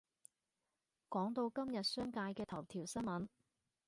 講到今日商界嘅頭條新聞